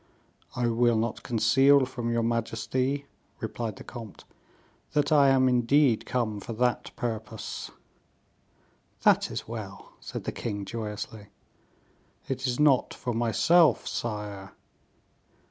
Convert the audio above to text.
"I will not conceal from your majesty," replied the comte, "that I am indeed come for that purpose." "That is well," said the king, joyously. "It is not for myself, sire."